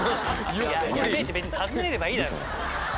「やべ」って別に訪ねればいいだろ。